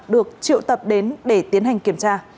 được triệu tập đến để tiến hành kiểm tra